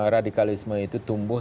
radikalisme itu tumbuh